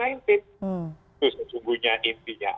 itu sesungguhnya intinya